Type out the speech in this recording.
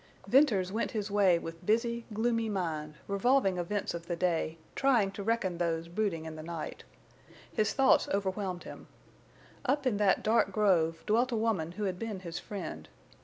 Venters went his way with busy, gloomy mind, revolving events of the day, trying to reckon those brooding in the night. His thoughts overwhelmed him. Up in that dark grove dwelt a woman who had been his friend.